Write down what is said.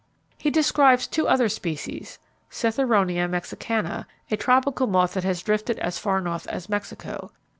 He describes two other species. Citheronia Mexicana, a tropical moth that has drifted as far north as Mexico.